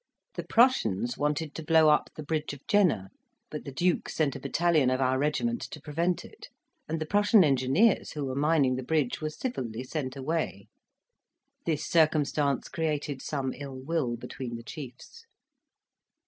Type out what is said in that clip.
The Prussians wanted to blow up the Bridge of Jena; but the Duke sent a battalion of our regiment to prevent it, and the Prussian engineers who were mining the bridge were civilly sent away: this circumstance created some ill will between the chiefs.